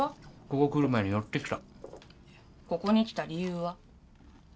ここ来る前に寄ってきたここに来た理由は？